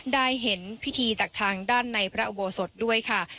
ได้เห็นพิธีจากทางด้านในพระอุโบสถด้วยค่ะ